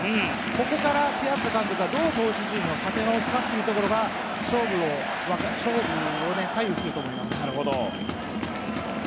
ここからピアザ監督がどう投手陣を立て直すかが勝負を左右すると思います。